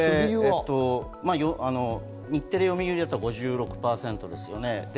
日テレ・読売だと５６％ですよね。